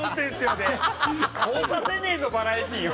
で通させねえぞ、バラエティーは！